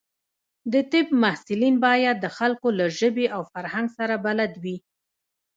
د طب محصلین باید د خلکو له ژبې او فرهنګ سره بلد وي.